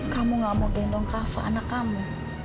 kamu tidak mau pegang kafa anak kamu